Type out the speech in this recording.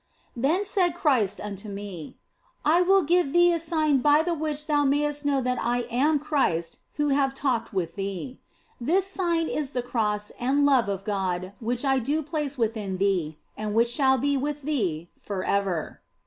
Then said Christ unto me, " I will give thee a sign by the which thou mayest know that I am Christ who have talked with thee. This sign is the Cross and love of God which I do place within thee and which shall be with thee for ever."